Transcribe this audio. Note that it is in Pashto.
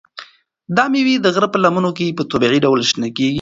دا مېوې د غره په لمنو کې په طبیعي ډول شنه کیږي.